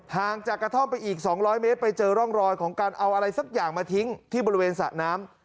ห่างจากกระท่อมไปอีก๒๐๐เมตรไปเจอร่องรอยของการเอาอะไรสักอย่างมาทิ้งที่บริเวณสระน้ำ